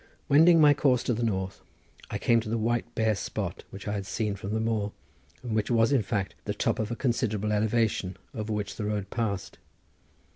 Wending my course to the north, I came to the white bare spot which I had seen from the moor, and which was in fact the top of a considerable elevation over which the road passed.